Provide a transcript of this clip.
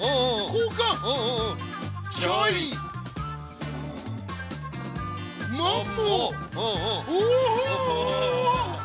こうかん！